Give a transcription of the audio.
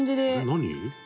何？